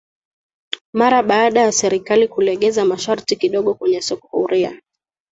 Mara baada ya serikali kulegeza masharti kidogo kwenye soko huria